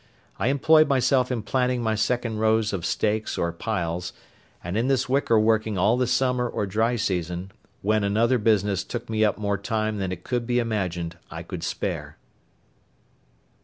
I employed myself in planting my second rows of stakes or piles, and in this wicker working all the summer or dry season, when another business took me up more time than it could be imagined I could spare.